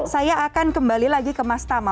saya akan kembali lagi ke mas tama